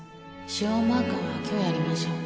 腫瘍マーカーは今日やりましょう